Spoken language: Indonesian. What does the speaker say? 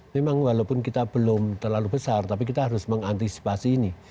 memang walaupun kita belum terlalu besar tapi kita harus mengantisipasi ini